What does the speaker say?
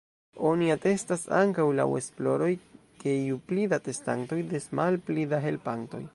Oni atestas ankaŭ laŭ esploroj, ke ju pli da atestantoj, des malpli da helpantoj.